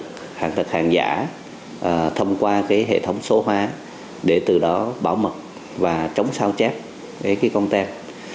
thứ hai là công tác quản lý hàng giả thông qua cái hệ thống số hóa để từ đó bảo mật và chống sao chép cái cái con tem